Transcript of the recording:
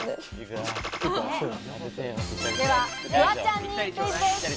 ではフワちゃんにクイズです。